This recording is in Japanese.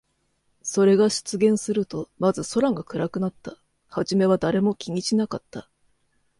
それが出現すると、まず空が暗くなった。はじめは誰も気にしなかった。